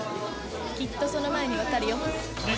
きっとその前に分かるよ